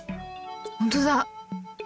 本当だ！